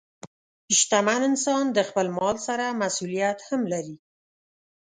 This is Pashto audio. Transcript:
شتمن انسان د خپل مال سره مسؤلیت هم لري.